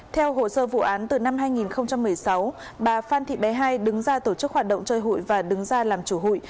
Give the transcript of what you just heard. theo hồ sơ vụ án từ năm hai nghìn một mươi sáu bà phan thị bé hai đứng ra tổ chức hoạt động chơi hụi và đứng ra làm chủ hụi